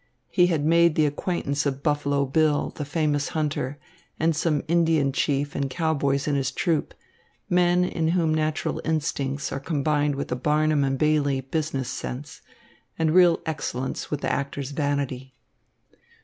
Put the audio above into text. He had made the acquaintance of Buffalo Bill, the famous hunter, and some Indian chief and cowboys in his troupe, men in whom natural instincts are combined with a Barnum and Bailey business sense, and real excellence with the actor's vanity.